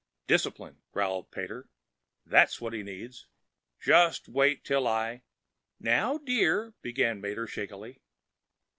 "Discipline!" growled Pater. "That's what he needs! Just wait till I " "Now, dear " began Mater shakily.